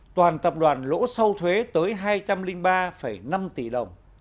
toàn tập đoàn lỗ sâu thuế tới hai trăm linh ba năm tỷ đồng